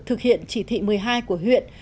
thực hiện chỉ thị một mươi hai của huyện